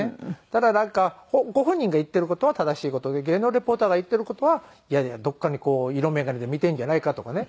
ただなんかご本人が言っている事は正しい事で芸能リポーターが言っている事はいやいやどこかにこう色眼鏡で見ているんじゃないかとかね